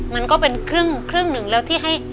มันก็เป็นครึ่งหนึ่งแล้วที่ให้